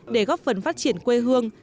để góp phần phát triển quê hương